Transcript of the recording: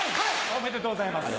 ありがとうございます。